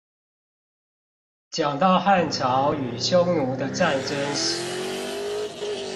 講到漢朝與匈奴的戰爭時